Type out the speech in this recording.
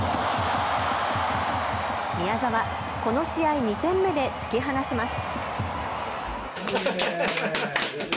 宮澤、この試合２点目で突き放します。